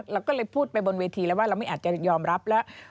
เราก็เลยพูดไปบนเวทีแล้วว่าเราไม่อาจจะยอมรับแล้ว